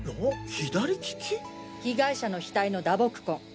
被害者の額の打撲痕